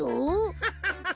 ハハハッ。